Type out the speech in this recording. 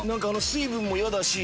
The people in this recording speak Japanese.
水分も嫌だし。